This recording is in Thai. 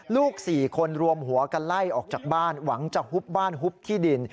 ลูก๔คนรวมหัวกันไล่ออกจากบ้านหวังจะหุบบ้านหุบที่ดิน